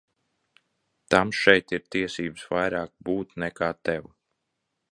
Tam šeit ir tiesības vairāk būt nekā tev.